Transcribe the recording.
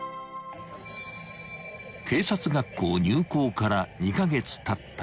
［警察学校入校から２カ月たった］